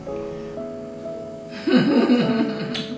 フフフフフ。